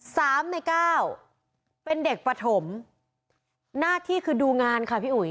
สามในเก้าเป็นเด็กปฐมหน้าที่คือดูงานค่ะพี่อุ๋ย